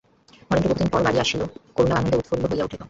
নরেন্দ্র বহুদিনের পর বাড়ি আসিলে করুণা আনন্দে উৎফুল্ল হইয়া উঠিত।